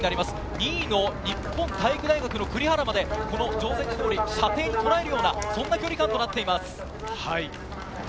２位の日本体育大学の栗原まで射程にとらえるような距離感となっています。